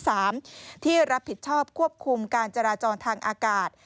ที่รับผิดชอบควบคุมการจราจรทางอากาศ